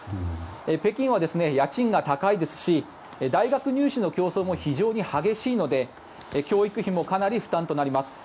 北京は家賃が高いですし大学入試の競争も非常に激しいので教育費もかなり負担となります。